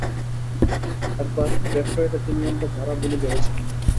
একবার ডেট্রয়েটে তিন ঘণ্টা ঝাড়া বুলি ঝেড়েছিলুম।